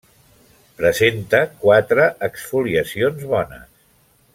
Presenta quatre exfoliacions bones.